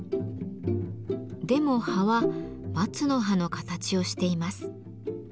でも葉は「松の葉」の形をしています。